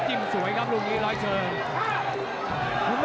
สวยครับลูกนี้ร้อยเชิง